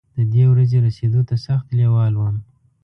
د دې ورځې رسېدو ته سخت لېوال وم.